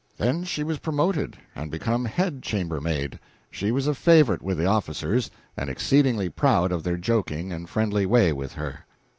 Then she was promoted and became head chambermaid. She was a favorite with the officers, and exceedingly proud of their joking and friendly way with her.